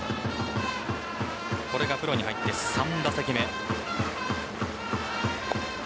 これがプロに入って３打席目。